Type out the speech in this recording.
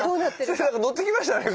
先生なんかノッてきましたね。